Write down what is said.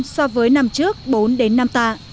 so với năm trước bốn năm tạ